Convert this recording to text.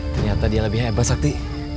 ternyata dia lebih hebat sakti